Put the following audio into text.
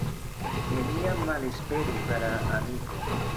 Neniam malesperu kara amiko.